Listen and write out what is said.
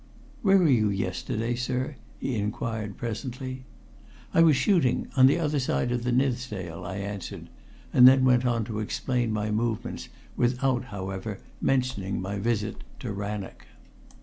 "Where were you yesterday, sir?" he inquired presently. "I was shooting on the other side of the Nithsdale," I answered, and then went on to explain my movements, without, however, mentioning my visit to Rannoch.